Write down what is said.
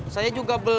saya juga belum